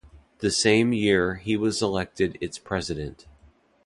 The same year, he was elected its president.